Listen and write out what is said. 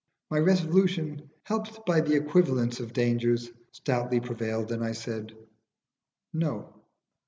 My resolution, helped by the equivalence of dangers, stoutly prevailed, and I said, "No."